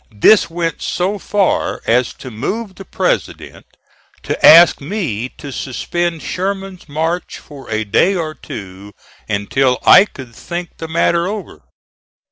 This went so far as to move the President to ask me to suspend Sherman's march for a day or two until I could think the matter over.